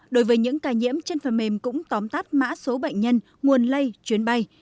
đối với những ca nhiễm trên phần mềm cũng tóm tắt mã số bệnh nhân nguồn lây chuyến bay